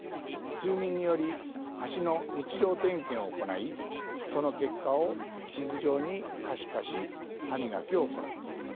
住民により橋の日常点検を行いその結果を地図上に可視化し歯磨きを行う。